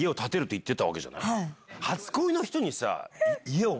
初恋の人に。